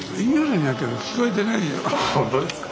本当ですか？